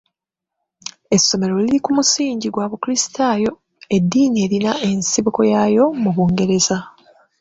" Essomero liri ku musingi gwa bukulisitaayo, eddiini erina ensibuko yaayo mu Bungereza."